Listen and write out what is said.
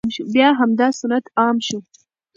بیا همدا سنت عام شو،